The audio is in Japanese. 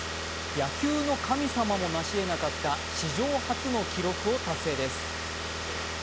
野球の神様もなしえなかった史上初の記録を達成です。